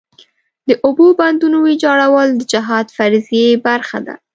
د اوبو بندونو ویجاړول د جهاد فریضې برخه ده.